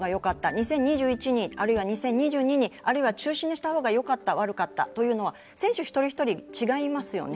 ２０２１に、２０２２にあるいは中止にしたほうがよかった、悪かったというのは選手一人一人違いますよね。